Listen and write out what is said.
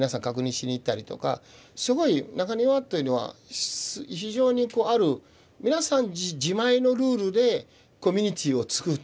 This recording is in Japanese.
すごい中庭というのは非常にある皆さん自前のルールでコミュニティーをつくっていて。